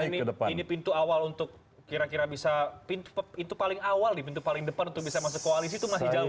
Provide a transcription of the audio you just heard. jadi kalau dikatakan ini pintu awal untuk kira kira bisa itu paling awal di pintu paling depan untuk bisa masuk koalisi itu masih jauh